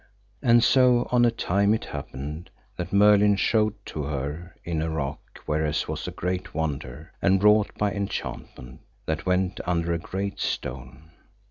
And so on a time it happed that Merlin showed to her in a rock whereas was a great wonder, and wrought by enchantment, that went under a great stone.